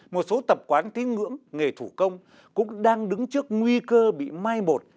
một số tập quán tín ngưỡng nghề thủ công cũng đang đứng trước nguy cơ bị mai bột